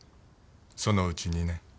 そのうちにね。